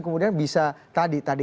kemudian bisa tadi tadi